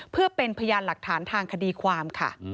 เพื่อเป็นพยานหลักฐานทางคดีความค่ะ